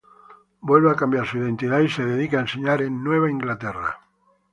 Vuelve a cambiar su identidad y se dedica a enseñar en Nueva Inglaterra.